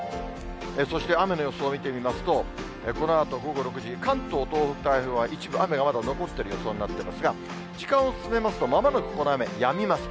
そして雨の予想見てみますと、このあと午後６時、関東、東北太平洋側は、一部雨が残ってる予想になっていますが、時間を進めますと、まもなくこの雨、やみます。